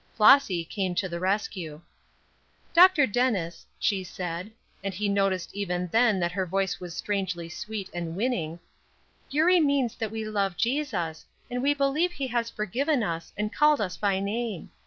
Flossy came to the rescue. "Dr. Dennis," she said, and he noticed even then that her voice was strangely sweet and winning, "Eurie means that we love Jesus, and we believe he has forgiven us and called us by name.